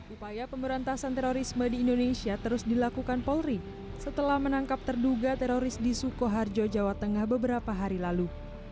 upaya pemberantasan terorisme di indonesia terus dilakukan polri setelah menangkap terduga teroris di sukoharjo jawa tengah beberapa hari lalu